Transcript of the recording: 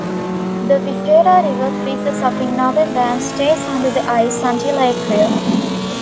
The Vishera River freezes up in November and stays under the ice until April.